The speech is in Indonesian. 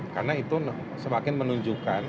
karena itu semakin menunjukkan